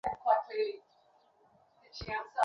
তারা কি লক্ষ্য করে না?